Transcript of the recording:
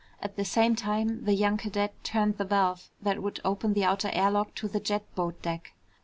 At the same time, the young cadet turned the valve that would open the outer air lock to the jet boat deck.